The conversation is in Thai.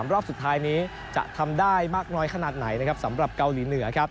รอบสุดท้ายนี้จะทำได้มากน้อยขนาดไหนนะครับสำหรับเกาหลีเหนือครับ